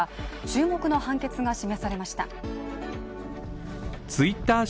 注目の判決が示されました。